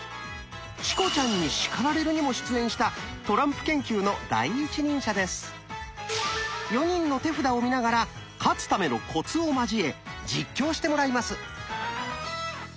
「チコちゃんに叱られる！」にも出演した４人の手札を見ながら「勝つためのコツ」を交え実況してもらいます。